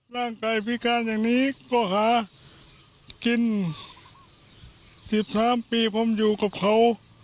ร่างกายพิการอย่างนี้ก็หากิน๑๓ปีผมอยู่กับเขา